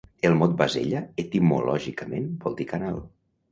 El mot Bassella etimològicament vol dir canal.